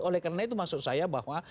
oleh karena itu maksud saya bahwa